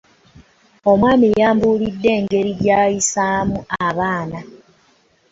Omwami yambuulidde engeri gyoyisaamu abaana.